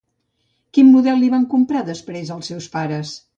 Quin model li van comprar, després, els seus pares?